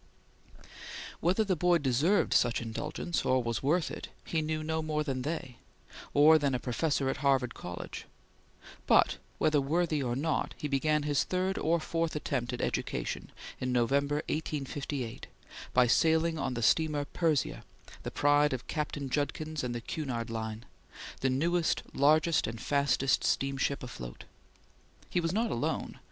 Whether the boy deserved such indulgence, or was worth it, he knew no more than they, or than a professor at Harvard College; but whether worthy or not, he began his third or fourth attempt at education in November, 1858, by sailing on the steamer Persia, the pride of Captain Judkins and the Cunard Line; the newest, largest and fastest steamship afloat. He was not alone.